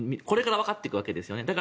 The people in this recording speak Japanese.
これからわかっていくわけですよね。